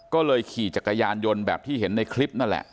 ก็เลยขี่จักรยานยนต์แบบที่เห็นในคลิปนั่นแหละ